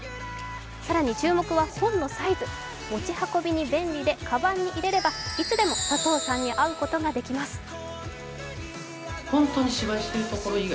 更に注目は本のサイズ、持ち運びに便利でかばんにいれればいつでも佐藤さんに会うことができます。